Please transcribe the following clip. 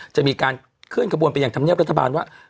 จะมีการเคลื่อนขบวนไปยังธรรมเนียบรัฐบาลว่า